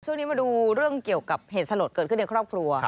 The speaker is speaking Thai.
ช่วงนี้มาดูเรื่องเกี่ยวกับเหตุสลดเกิดขึ้นในครอบครัว